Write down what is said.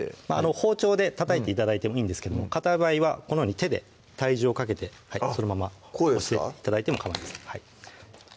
包丁でたたいて頂いてもいいんですけどもかたい場合はこのように手で体重をかけてそのまま押して頂いてもかまいません